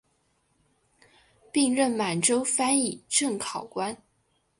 并任满洲翻译正考官。